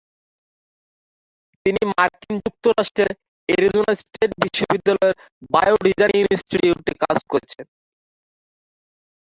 তিনি মার্কিন যুক্তরাষ্ট্রের অ্যারিজোনা স্টেট বিশ্ববিদ্যালয়ের বায়ো-ডিজাইন ইনস্টিটিউটে কাজ করেছেন।